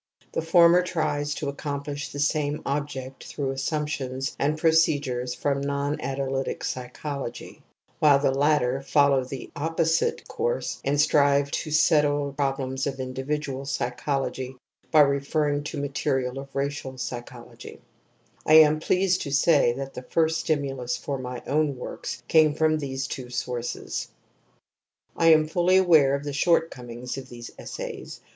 The former tries to accomplish the same object through assumptions and procedures from non analytic psychology, while the latter follow the opposite course and strive to settle prob lems of individual pyschology by referring to material of racial psychology ^ I am pleased to say that the first stimulus for my own works came from these two sources. I am fully aware of the shortcomings in these essays.